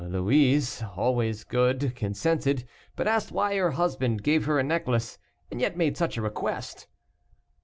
Louise, always good, consented, but asked why her husband gave her a necklace, and yet made such a request.